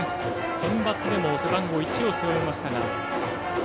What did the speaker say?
センバツでも背番号１を背負いましたが。